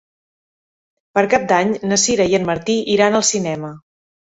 Per Cap d'Any na Sira i en Martí iran al cinema.